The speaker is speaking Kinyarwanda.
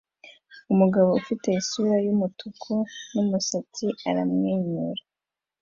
Umugabo ufite isura yumutuku numusatsi aramwenyura